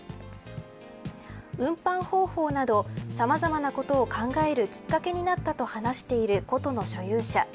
運搬方法などさまざまなことを考えるきっかけになったと話している琴の所有者。